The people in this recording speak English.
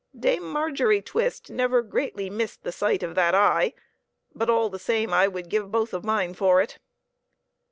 Dame Margery Twist never greatly missed the sight of that eye ; but all the same, I would give both of mine for it.